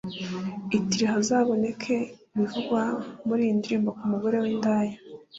i Tiri hazaboneke ibivugwa muri iyi ndirimbo ku mugore w’indaya: